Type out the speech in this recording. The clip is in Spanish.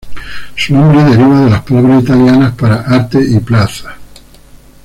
Su nombre deriva de las palabras italianas para "arte" y "plaza".